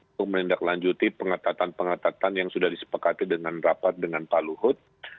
untuk melindaklanjuti pengetatan pengetatan yang sudah disepakati dengan rapat dengan paluhut